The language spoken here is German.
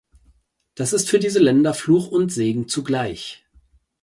Das ist für diese Länder Fluch und Segen zugleich.